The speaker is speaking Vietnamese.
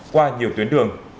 qua nhiều tuyến đường